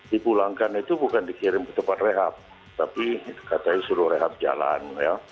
dipulangkan itu bukan dikirim ke tempat rehab tapi katanya suruh rehab jalan